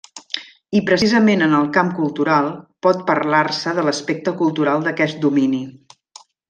I precisament en el camp cultural pot parlar-se de l'aspecte cultural d'aquest domini.